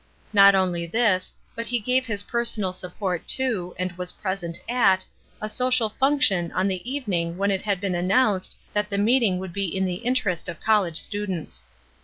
Not only this, but he gave his personal support to, and was present at, a social function on the evening when it had been announced that the meeting would be in the interest of college students.